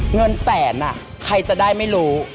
เงินแสนใครจะได้ไม่รู้